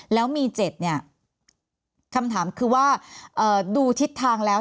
แล้วมี๗เนี่ยคำถามคือว่าดูทิศทางแล้ว